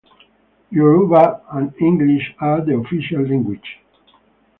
Yoruba and English are the official languages.